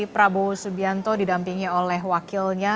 prabowo subianto didampingi oleh wakilnya